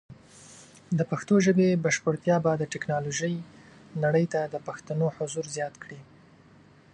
د پښتو ژبې بشپړتیا به د ټیکنالوجۍ نړۍ ته د پښتنو حضور زیات کړي.